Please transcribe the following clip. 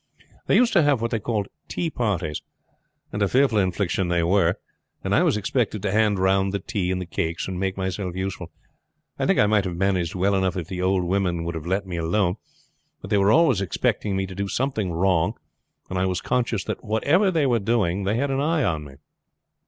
They used to have what they called tea parties and a fearful infliction they were and I was expected to hand round the tea and cakes, and make myself useful. I think I might have managed well enough if the old women would have let me alone; but they were always expecting me to do something wrong, and I was conscious that whatever they were doing they had an eye upon me.